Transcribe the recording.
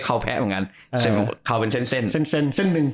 เขาเป็นเส้นแส่น